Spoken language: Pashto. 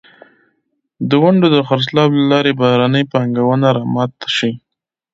د ونډو د خرڅلاو له لارې بهرنۍ پانګونه را مات شي.